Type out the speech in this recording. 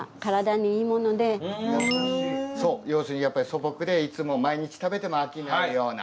要するにやっぱり素朴でいつも毎日食べても飽きないような。